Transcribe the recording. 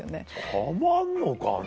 たまんのかな？